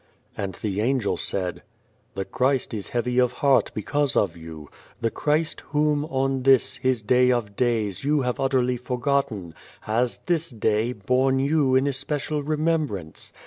And the Angel said :" The Christ is heavy of heart because of you. The Christ whom, on this, His day of days, you have utterly forgotten, has, this day, borne you in especial remembrance.